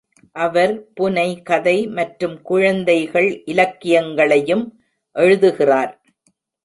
அவர் புனைகதை மற்றும் குழந்தைகள் இலக்கியங்களையும் எழுதுகிறார்.